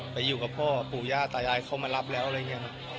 ไปอยู่กับพ่อปู่ย่าตายายเข้ามารับแล้วอะไรอย่างนี้ครับ